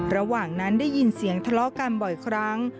ระหว่างนั้นได้ยินเสียงทะเลาะกันบ่อยครั้ง